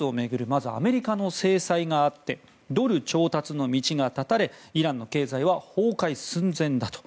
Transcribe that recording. まず、アメリカの制裁があってドル調達の道が断たれイランの経済は崩壊寸前だと。